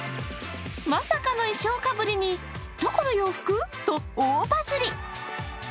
まさかの衣装かぶりに、「どこの洋服？」と大バズり。